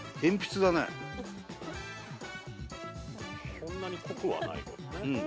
そんなに濃くはない。